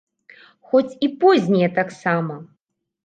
Хоць і познія таксама!